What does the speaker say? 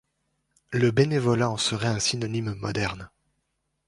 Le bénévolat en serait un synonyme moderne.